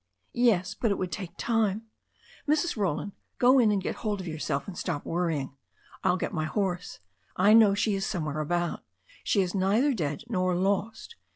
'Yes, but it would take time. Mrs. Roland, go in and ^et hold of yourself, and stop worrying. I'll get my horse. I know she is somewhere about. She is neither dead nor lost.